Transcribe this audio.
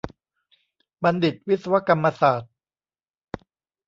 บัณฑิตวิศวกรรมศาสตร์